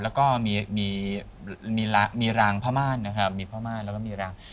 แล้วก็มีรางผ้าม่านนะครับมีผ้าม่านแล้วก็มีราง